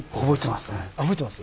覚えてますね。